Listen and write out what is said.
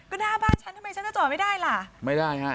ก็หน้าบ้านฉันทำไมฉันจะจอดไม่ได้ล่ะไม่ได้ฮะ